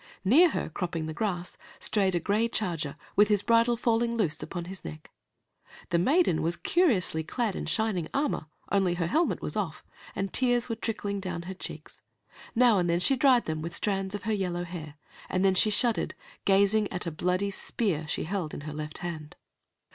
Near her, cropping the grass, strayed a gray charger, with his bridle falling loose upon his neck. The maiden was curiously clad in shining armor, only her helmet was off, and tears were trickling down her cheeks. Now and then she dried them with strands of her yellow hair, and then she shuddered, gazing at a bloody spear that she held in her left hand.